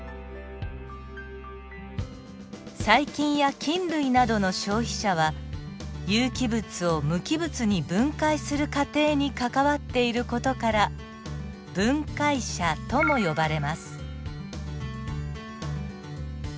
細菌や菌類などの消費者は有機物を無機物に分解する過程に関わっている事から分解者とも呼ばれます。